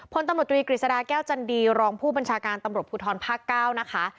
ผลตำรบบิกริ้ซธาแก้วจันดีลองผู้บัญชาการตำรบบุธรปะเก้านะคะ